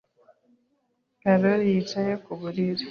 Karoli yicaye ku buriri.